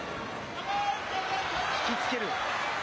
引きつける。